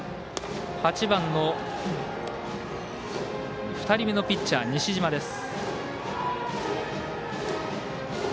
８番、２人目のピッチャー西嶋です。